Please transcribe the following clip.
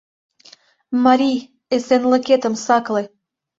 МАРИЙ, ЭСЕНЛЫКЕТЫМ САКЛЕ!